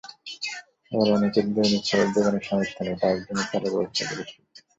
আবার অনেকের দৈনিক খরচ জোগানোর সামর্থ্য নেই, তাঁদের জন্য চালের ব্যবস্থা করেছি।